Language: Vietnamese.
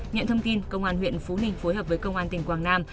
nhận thông tin công an huyện phú ninh phối hợp với công an tỉnh quảng nam